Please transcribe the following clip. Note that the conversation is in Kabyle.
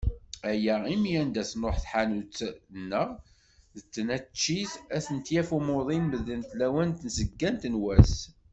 Aya imi anda tnuḥ tḥanut neɣ d taneččit, ad tent-yaf umuḍin medlent lawan n tzeggant n wass.